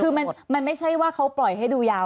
คือมันไม่ใช่ว่าเขาปล่อยให้ดูยาว